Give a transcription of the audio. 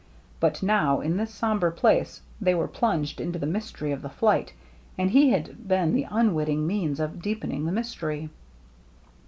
But now, in this sombre place, they were plunged into the mystery of the flight, and he had been the unwitting means of deepening the mystery.